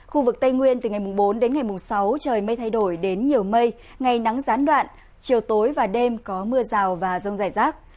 khu vực tây nguyên từ ngày bốn đến ngày mùng sáu trời mây thay đổi đến nhiều mây ngày nắng gián đoạn chiều tối và đêm có mưa rào và rông rải rác